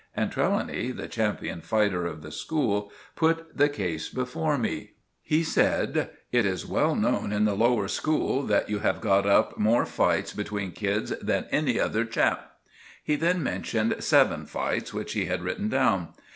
and Trelawny, the champion fighter of the school, put the case before me. He said— "It is well known in the lower school that you have got up more fights between kids than any other chap." He then mentioned seven fights which he had written down.